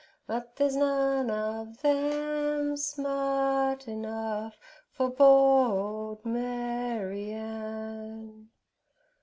But there's none of them smart enough For bold Maryann.